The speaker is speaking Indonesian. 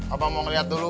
abah mau ngeliat dulu